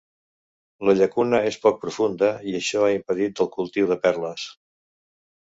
La llacuna és poc profunda i això ha impedit el cultiu de perles.